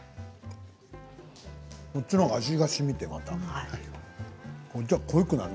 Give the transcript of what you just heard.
こっちのほうが味がしみている。